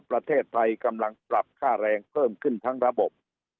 ประเทศไทยกำลังปรับค่าแรงเพิ่มขึ้นทั้งระบบ